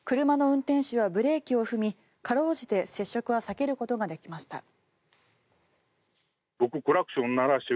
車の運転手はブレーキを踏み辛うじて接触は避けることができました。